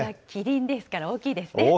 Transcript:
キリンですから、大きいですね。